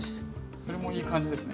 それもいい感じですね。